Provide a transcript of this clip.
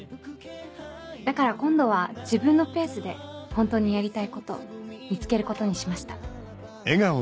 だから今度は自分のペースで本当にやりたいこと見つけることにしました。